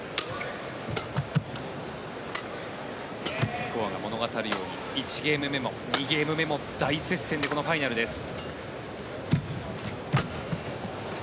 スコアが物語るように１ゲーム目も２ゲーム目も大接戦でこのファイナルです。